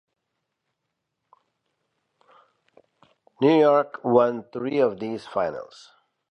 New York won three of these finals.